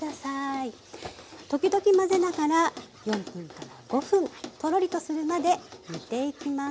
時々混ぜながら４分から５分トロリとするまで煮ていきます。